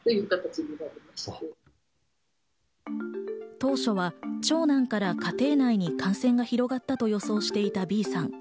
当初は長男から家庭内に感染が広がったという予想していたＢさん。